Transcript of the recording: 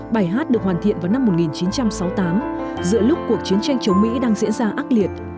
bài hát được hoàn thiện vào năm một nghìn chín trăm sáu mươi tám giữa lúc cuộc chiến tranh chống mỹ đang diễn ra ác liệt